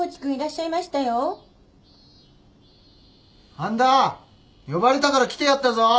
半田呼ばれたから来てやったぞ。